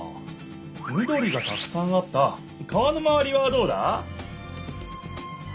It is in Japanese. みどりがたくさんあった川のまわりはどうだ？